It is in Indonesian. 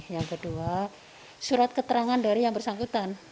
yang kedua surat keterangan dari yang bersangkutan